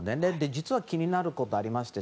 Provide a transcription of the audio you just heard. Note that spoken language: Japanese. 実は気になることがありまして。